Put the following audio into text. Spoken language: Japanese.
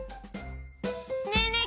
ねえねえ